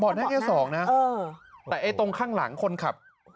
เบาะหน้าแค่สองน่ะเออแต่ไอ้ตรงข้างหลังคนขับ